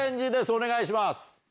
お願いします。